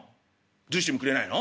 どうしてもくれないの？